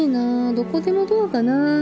どこでもドアかな。